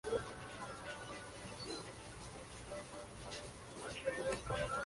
Fue construido en el sitio de una antigua fábrica de vidrio Vitro.